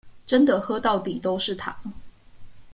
真的喝到底都是糖